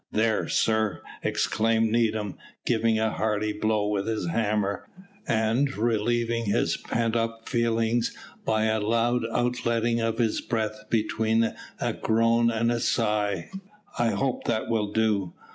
"There, sir!" exclaimed Needham, giving a hearty blow with his hammer, and relieving his pent up feelings by a loud outletting of his breath between a groan and a sigh; "I hope that will do."